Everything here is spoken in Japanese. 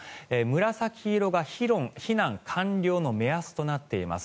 紫色が避難完了の目安となっています。